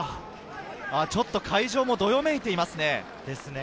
ちょっと会場もどよめいていますね。